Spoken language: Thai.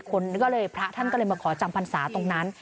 ก็เลยพระท่านมาขอจำพรรษาตรงนั้น